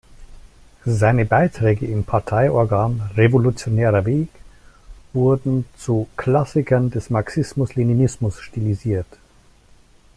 Seine Beiträge im Parteiorgan "Revolutionärer Weg" wurden „zu Klassikern des Marxismus-Leninismus“ stilisiert.